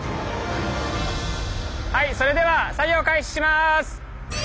はいそれでは作業開始します！